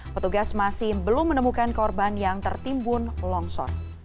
petugas masih belum menemukan korban yang tertimbun longsor